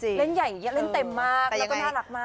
เล่นใหญ่อย่างเยี่ยนเล่นเต็มมากเล่นเต็มแล้วก็น่ารักมาก